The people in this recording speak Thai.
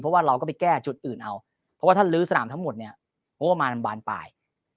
เพราะว่าเราก็ไปแก้จุดอื่นเอาเพราะว่าถ้าลื้อสนามทั้งหมดเนี่ยงบประมาณมันบานปลาย